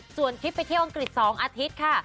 ส่วนคลิปไปเที่ยวอังกฤษ๒อาทิตย์ค่ะ